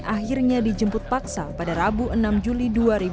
akhirnya dijemput paksa pada rabu enam juli dua ribu dua puluh